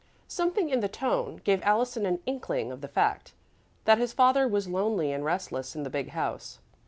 Something in the tone gave Allison an inkling of the fact that his father was lonely and restless in the big house.